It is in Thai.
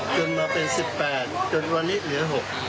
เกิดมาเป็น๑๘กว่าจนวันนี้เหลือ๖